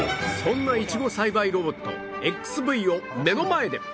そんなイチゴ栽培ロボット ＸＶ を目の前で